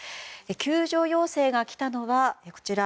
救助要請が来たのはこちら。